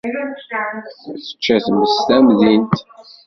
Tečča tmes tamdint.